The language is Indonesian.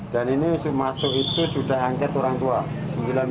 dan ini masuk itu sudah angkat orang tua